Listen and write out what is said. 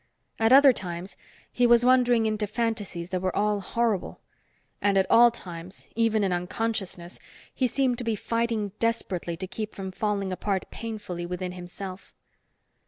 At other times, he was wandering into fantasies that were all horrible. And at all times, even in unconsciousness, he seemed to be fighting desperately to keep from falling apart painfully within himself.